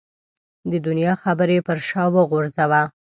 د دنیا خبرې پر شا وغورځوه.